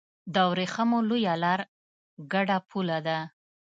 د ورېښمو لویه لار ګډه پوله ده.